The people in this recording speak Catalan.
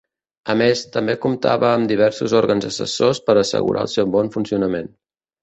A més, també comptava amb diversos òrgans assessors per assegurar el seu bon funcionament.